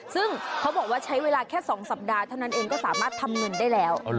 เพราะเหมาะว่าใช้เวลาแค่๒สัปดาห์ถนนน็นก็สามารถทำเงินได้แล้ว